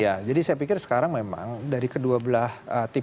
ya jadi saya pikir sekarang memang dari kedua belah tim